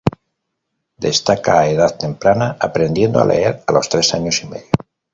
Destaca a edad temprana, aprendiendo a leer a los tres años y medio.